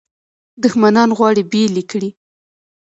دښمنان غواړي بیل یې کړي.